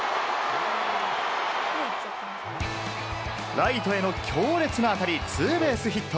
ライトへの強烈な当たり、ツーベースヒット。